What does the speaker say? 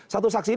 satu saksi ini